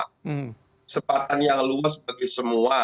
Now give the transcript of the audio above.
kesempatan yang luas bagi semua